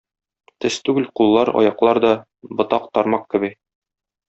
Төз түгел куллар, аяклар да - ботак-тармак кеби.